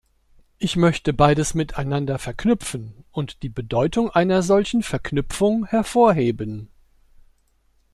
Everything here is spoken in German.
Ich möchte beides miteinander verknüpfen und die Bedeutung einer solchen Verknüpfung hervorheben.